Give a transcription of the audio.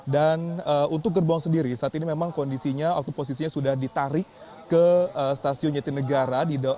dan untuk gerbong sendiri saat ini memang kondisinya autoposisinya sudah ditarik ke stasiun nyetir negara